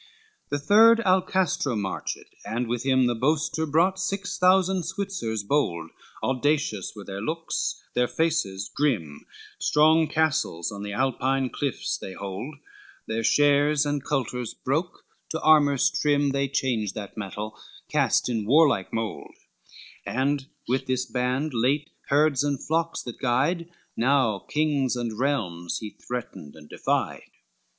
LXIII The third Alcasto marched, and with him The boaster brought six thousand Switzers bold, Audacious were their looks, their faces grim, Strong castles on the Alpine clifts they hold, Their shares and coulters broke, to armors trim They change that metal, cast in warlike mould, And with this band late herds and flocks that guide, Now kings and realms he threatened and defied.